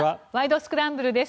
スクランブル」です。